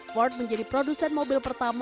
fort menjadi produsen mobil pertama